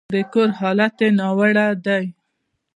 د کور حالت يې ناوړه دی.